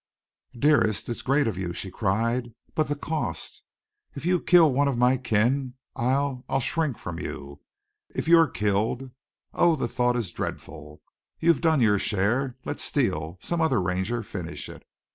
"Dearest, it's great of you!" she cried. "But the cost! If you kill one of my kin I'll I'll shrink from you! If you're killed Oh, the thought is dreadful! You've done your share. Let Steele some other Ranger finish it.